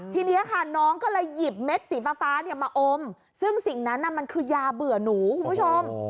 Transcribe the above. ทีนี้ค่ะน้องก็เลยหยิบเม็ดสีฟ้ามาอมซึ่งสิ่งนั้นมันคือยาเบื่อหนูคุณผู้ชม